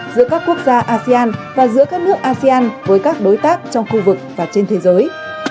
giữa các quốc gia asean và giữa các nước asean với các đối tác trong khu vực và trên thế giới